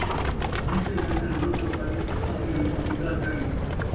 جنتے ویسن لوک لوکائی، اساں وی ویسوں دڳا چائی